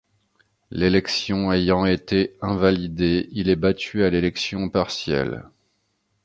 L'élection ayant été invalidée, il est battu à l'élection partielle.